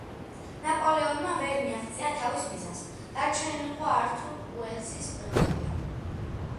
ნაპოლეონმა ვერ მიაღწია თავის მიზანს, დარჩენილიყო ართურ უელსლის პირისპირ.